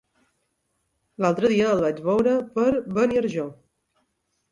L'altre dia el vaig veure per Beniarjó.